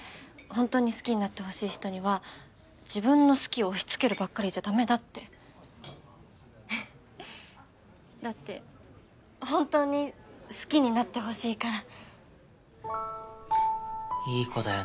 ほんとに好きになってほしい人には自分の好きを押しつけるばっかりじゃダメだってだって本当に好きになってほしいから